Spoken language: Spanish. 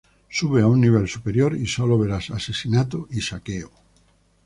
Sube a un nivel superior, y solo verás asesinato y saqueo.